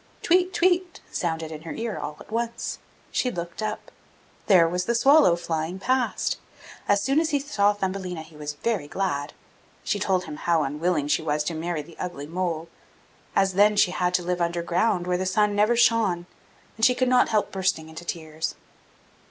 'Tweet, tweet!' sounded in her ear all at once. She looked up. There was the swallow flying past! As soon as he saw Thumbelina, he was very glad. She told him how unwilling she was to marry the ugly mole, as then she had to live underground where the sun never shone, and she could not help bursting into tears.